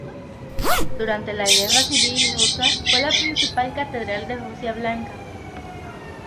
Durante la Guerra Civil rusa fue la principal catedral de Rusia Blanca.